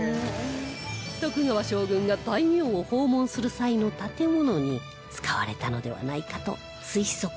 徳川将軍が大名を訪問する際の建物に使われたのではないかと推測されています